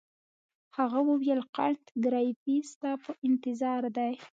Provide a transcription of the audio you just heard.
هغه وویل کانت ګریفي ستا په انتظار دی.